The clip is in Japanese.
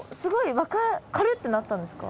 「軽っ」ってなったんですか？